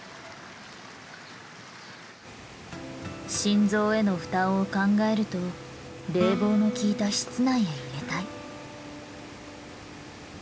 心臓への負担を考えると冷房の効いた室内へ入れたい。